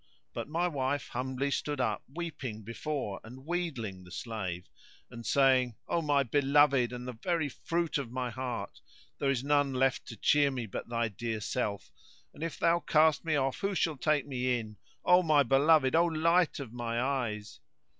But , my wife humbly stood up weeping before and wheedling the slave, and saying, O my beloved, and very fruit of my heart, there is none left to cheer me but thy dear self; and, if thou cast me off who shall take me in, O my beloved, O light of my eyes?"